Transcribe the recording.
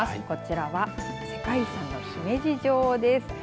こちらは世界遺産の姫路城です。